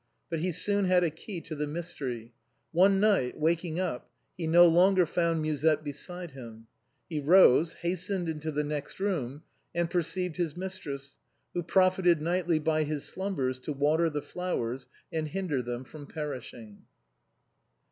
But he soon had a key to the mystery. One night, waking up, he no longer found Musette beside him. He rose, hastened into the next room, and perceived his mistress, who profited nightly by his slumbers to water the flowers and hinder them from perishing.